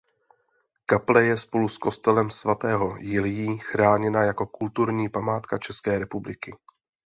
Kaple je spolu s kostelem svatého Jiljí chráněná jako kulturní památka České republiky.